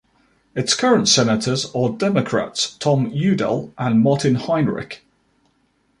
Its current Senators are Democrats Tom Udall and Martin Heinrich.